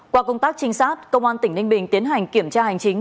qua công tác trinh sát công an tỉnh ninh bình tiến hành kiểm tra hành chính